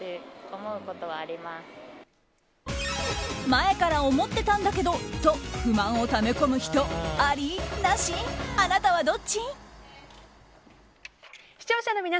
前から思ってたんだけどと不満をため込む人あなたは、あり？